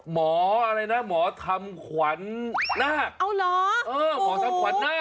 หมออะไรนะหมอทำขวัญนาคเอาเหรอเออหมอทำขวัญนาค